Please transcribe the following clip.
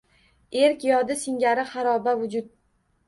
Erk yodi singari xaroba vujud